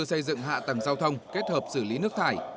xây dựng hạ tầng giao thông kết hợp xử lý nước thải